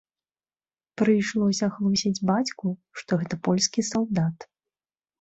Прыйшлося хлусіць бацьку, што гэта польскі салдат.